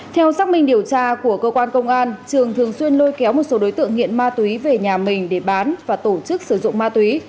theo xác minh điều tra của cơ quan công an trường thường xuyên lôi kéo một số đối tượng nghiện ma túy về nhà mình để bán và tổ chức sử dụng ma túy